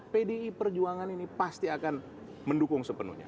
pdi perjuangan ini pasti akan mendukung sepenuhnya